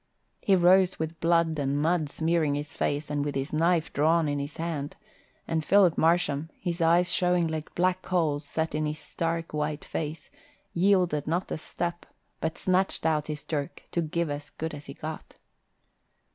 He rose with blood and mud smearing his face and with his drawn knife in his hand; and Philip Marsham, his eyes showing like black coals set in his stark white face, yielded not a step, but snatched out his dirk to give as good as he got.